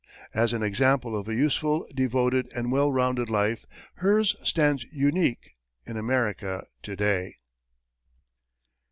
As an example of a useful, devoted and well rounded life, hers stands unique in America to day.